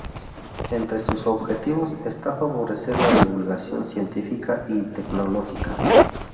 Entre sus objetivos está favorecer la divulgación científica y tecnológica.